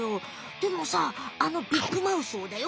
でもさあのビッグマウスをだよ